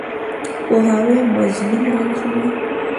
پوهاوی مظلوم راویښوي.